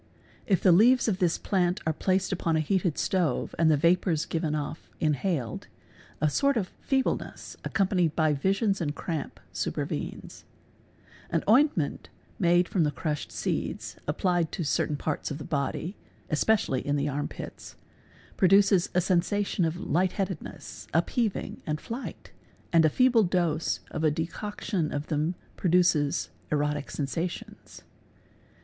If the leaves of this plant are placed upon a heated stove and the vapours given off inhaled, 1 sort of feebleness, accompanied by visions and cramp, supervenes, Ar ointment made from the crushed seeds, applied to certain parts of the body (especially in the arm pits), produces a sensation of lightheaded. ness, upheaving, and flight, and a feeble dose of a decoction of them produces erotic sensations.